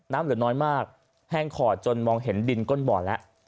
เหลือน้อยมากแห้งขอดจนมองเห็นดินก้นบ่อแล้ว